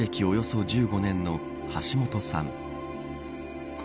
およそ１５年の橋本さん。